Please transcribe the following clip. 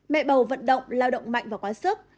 mẹ bầu vận động lao động mạnh và quá sức